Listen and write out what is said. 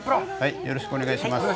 よろしくお願いします。